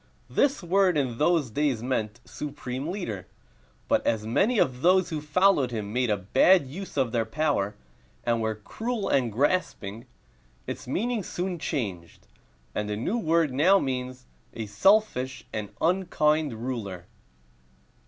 This word in those days meant "supreme ruler;" but as many of those who followed him made a bad use of their power, and were cruel and grasping, its meaning soon changed, and the word now means "a selfish and unkind ruler."